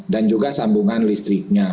dan juga sambungan listriknya